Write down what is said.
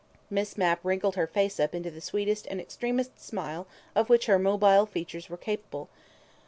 Miss Mapp wrinkled her face up into the sweetest and extremest smile of which her mobile features were capable.